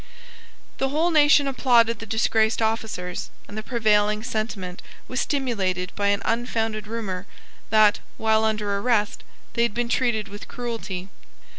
The whole nation applauded the disgraced officers; and the prevailing sentiment was stimulated by an unfounded rumour that, while under arrest, they had been treated with cruelty.